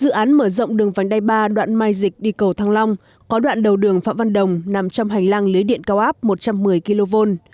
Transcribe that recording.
dự án mở rộng đường vành đai ba đoạn mai dịch đi cầu thăng long có đoạn đầu đường phạm văn đồng nằm trong hành lang lưới điện cao áp một trăm một mươi kv